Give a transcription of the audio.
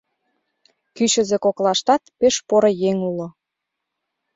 Кӱчызӧ коклаштат пеш поро еҥ уло.